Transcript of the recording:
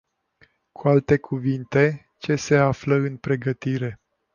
Cu alte cuvinte, ce se află în pregătire?